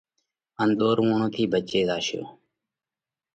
ان ۮورووڻون ٿِي ڀچي زاشون۔